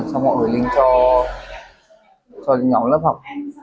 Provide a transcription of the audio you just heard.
xong họ đưa link cho nhóm lớp học